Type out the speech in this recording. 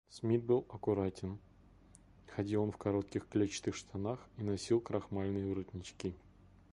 Смит был аккуратен; ходил он в коротких клетчатых штанах и носил крахмальные воротнички.